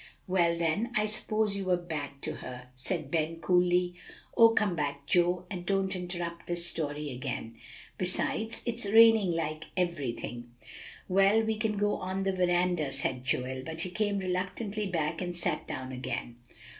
"Well, then, I suppose you were bad to her," said Ben coolly. "So come back, Joe, and don't interrupt this story again. Besides, it's raining like everything." "Well, we can go on the veranda," said Joel; but he came reluctantly back and sat down again.